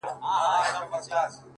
د تورو زلفو په هر تار راته خبري کوه’